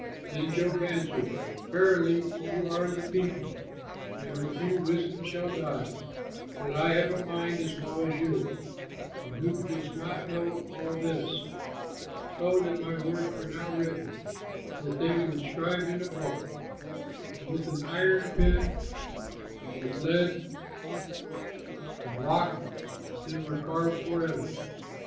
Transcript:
Then Job answered: "Verily you are the people, And with you wisdom shall die! But I have a mind as well as you, And who does not know all this? Oh, that my words were now written, That they were inscribed in a book, That with an iron pen and with lead In rock they were carved forever!